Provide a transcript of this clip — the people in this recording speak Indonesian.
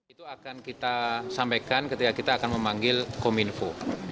itu akan kita sampaikan ketika kita akan memanggil kominfo